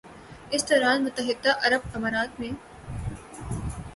اس دوران متحدہ عرب امارات میں